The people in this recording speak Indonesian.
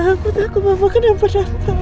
aku takut papa kenapa datang